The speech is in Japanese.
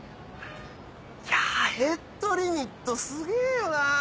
いやヘッドリミットすげぇよな！